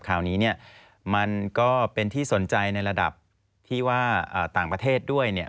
คราวนี้เนี่ยมันก็เป็นที่สนใจในระดับที่ว่าต่างประเทศด้วยเนี่ย